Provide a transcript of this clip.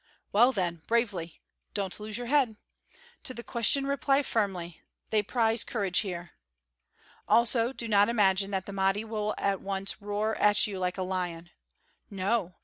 Well then, bravely! Don't lose your head! To the question reply firmly. They prize courage here. Also do not imagine that the Mahdi will at once roar at you like a lion! No!